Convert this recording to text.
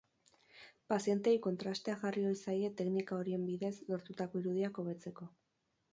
Pazienteei kontrastea jarri ohi zaie teknika horien bidez lortutako irudiak hobetzeko.